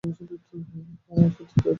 হ্যাঁ, সত্যিই তারচেয়ে জটিল।